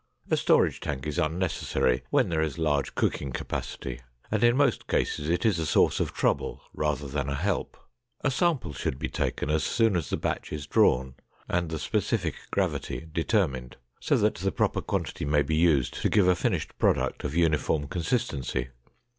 A storage tank is unnecessary when there is large cooking capacity, and in most cases it is a source of trouble rather than a help. A sample should be taken as soon as the batch is drawn, and the specific gravity determined so that the proper quantity may be used to give a finished product of uniform consistency.